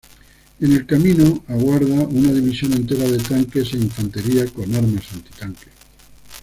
En el camino aguarda una división entera de tanques e infantería con armas antitanque.